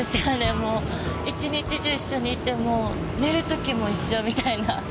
もう一日中一緒にいて寝る時も一緒みたいな。